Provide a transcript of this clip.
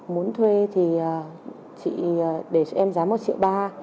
muốn thuê thì chị để chị em giá một triệu ba